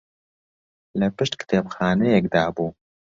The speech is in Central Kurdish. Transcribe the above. لە پشت کتێبخانەیەکدا بوو